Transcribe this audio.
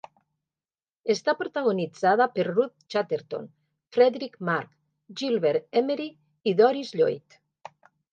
Està protagonitzada per Ruth Chatterton, Fredric March, Gilbert Emery i Doris Lloyd.